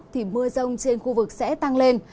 thì mưa rông trên khu vực sẽ tăng lên